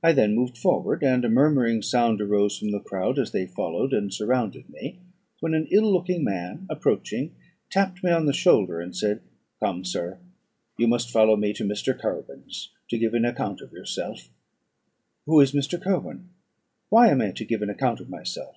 I then moved forward, and a murmuring sound arose from the crowd as they followed and surrounded me; when an ill looking man approaching, tapped me on the shoulder, and said, "Come, Sir, you must follow me to Mr. Kirwin's, to give an account of yourself." "Who is Mr. Kirwin? Why am I to give an account of myself?